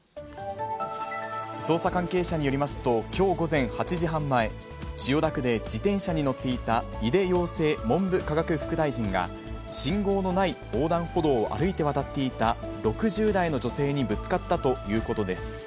捜査関係者によりますと、きょう午前８時半前、千代田区で自転車に乗っていた井出庸生文部科学副大臣が、信号のない横断歩道を歩いて渡っていた６０代の女性にぶつかったということです。